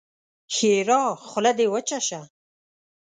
ښېرا: خوله دې وچه شه!